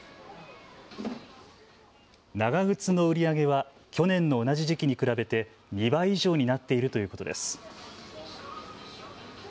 長靴の売り上げは去年の同じ時期に比べて２倍以上になっているということです。